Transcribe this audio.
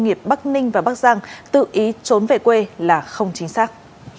nghiệp bắc ninh và bắc giang tự ý trốn về quê là không chính xác